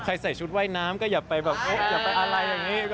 ใครใส่ชุดว่ายน้ำก็อย่าไปอะไรอย่างนี้